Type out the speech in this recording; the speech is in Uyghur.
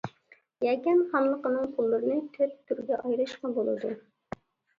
يەكەن خانلىقىنىڭ پۇللىرىنى تۆت تۈرگە ئايرىشقا بولىدۇ.